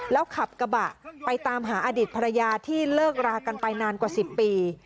แล้วขับกระบะไปตามหาอดีตภรรยาที่เลิกรากันไปนานกว่า๑๐ปี